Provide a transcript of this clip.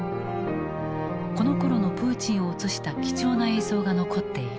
このころのプーチンを映した貴重な映像が残っている。